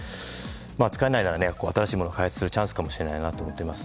使えないなら新しいものを開発するチャンスかもしれないなと思っています。